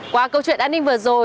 qua câu chuyện an ninh vừa rồi